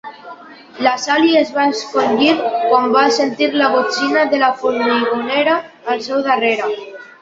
La Sally es va encongir quan va sentir la botzina de la formigonera al seu darrere.